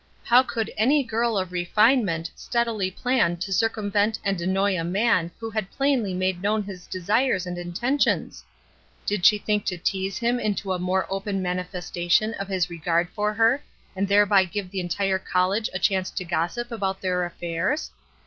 How could any girl of refinement steadily plan to circumvent and annoy a man who had plainly made known his desires and intentions ? Did she think to tease him into a more open manifestation of his re gard for her, and thereby give the entire college WHY SHE "QUIT'' 307 a chance to gossip about their affairs?